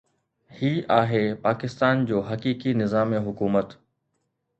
هي آهي پاڪستان جو حقيقي نظام حڪومت.